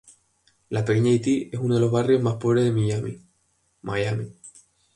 La Pequeña Haití es uno de los barrios más pobres de Miami.